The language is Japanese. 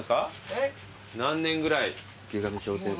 えっ？何年ぐらい？